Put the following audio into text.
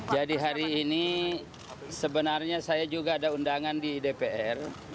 jadi hari ini sebenarnya saya juga ada undangan di dpr